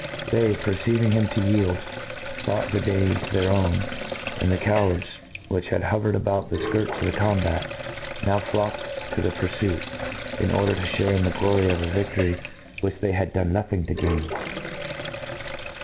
They, perceiving him to yield, thought the day their own j and the cowards, which had hovered about the fldrts of the combat, now igocked to the purfuit, in brder: to fhare in the |;loty9f a victory which they had done nothing to f$ INTRb DUCTION. to gain.